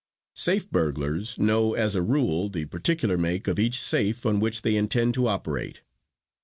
"Safe burglars know as a rule the particular make of each safe on which they intend to operate.